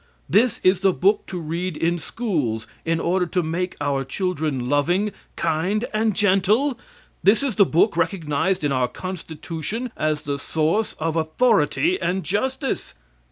This is the book to read in schools in order to make our children loving, kind and gentle! This is the book recognized in our Constitution as the source of authority and justice!